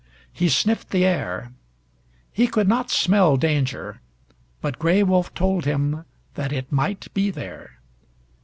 He sniffed the air. He could not smell danger, but Gray Wolf told him that it might be there.